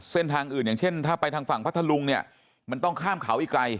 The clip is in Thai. เส้นทางอื่นอย่างเช่นถ้าไปทางฝั่งพัทธลุงเนี่ยมันต้องข้ามเขาอีกไกล